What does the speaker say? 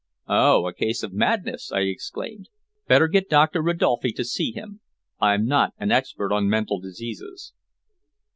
"Oh! a case of madness!" I exclaimed. "Better get Doctor Ridolfi to see him. I'm not an expert on mental diseases."